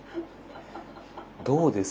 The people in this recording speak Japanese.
どうです？